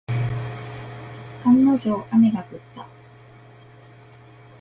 案の定、雨が降った。